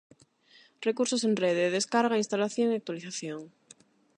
Recursos en rede: Descarga, instalación e actualización.